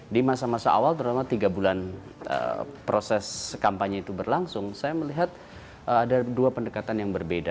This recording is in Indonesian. di masa masa awal terutama tiga bulan proses kampanye itu berlangsung saya melihat ada dua pendekatan yang berbeda